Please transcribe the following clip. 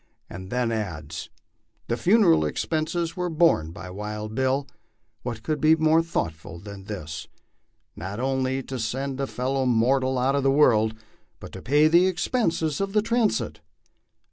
It then adds: "The funeral expenses were borne by ' Wild Bill.' " What could be more thoughtful than this? Not only to send a fellow mortal out of the world, but to pay the expenses of the transit.